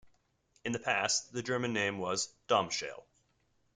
In the past the German name was "Domschale".